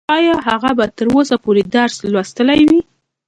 ايا هغه به تر اوسه پورې درس لوستلی وي؟